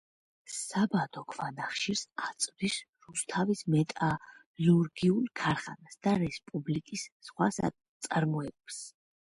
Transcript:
საბადო ქვანახშირს აწვდის რუსთავის მეტალურგიულ ქარხანას და რესპუბლიკის სხვა საწარმოებს.